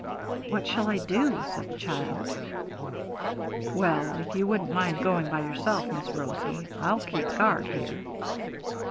'What shall I do?' said the child. 'Well, if you wouldn't mind going by yourself, Miss Rosie, I'll keep guard here.'